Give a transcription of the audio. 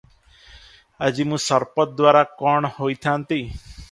ଆଜି ମୁଁ ସର୍ପଦ୍ୱାରା କଣ ହୋଇଥାନ୍ତି ।